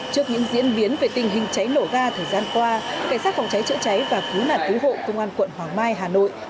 trước những diễn biến về tình hình cháy nổ ga thời gian qua cảnh sát phòng cháy chữa cháy và cứu nạn cứu hộ công an quận hoàng mai hà nội